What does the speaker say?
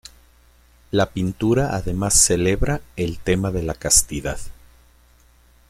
La pintura además celebra el tema de la castidad.